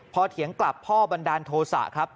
พอเถียงกลับพ่อบันดาลโทษะครับ